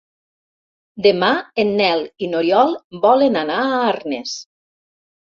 Demà en Nel i n'Oriol volen anar a Arnes.